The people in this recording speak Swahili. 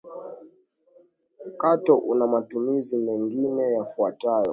Mkato una matumizi mengine yafuatayo